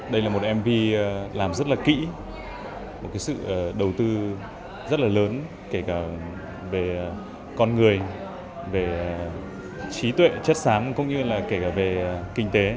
đây là một mv làm rất là kỹ một sự đầu tư rất là lớn kể cả về con người về trí tuệ chất xám cũng như là kể cả về kinh tế